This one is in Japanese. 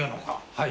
はい。